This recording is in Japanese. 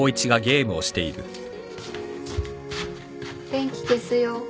電気消すよ。